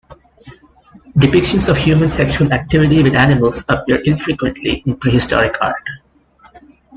Depictions of human sexual activity with animals appear infrequently in prehistoric art.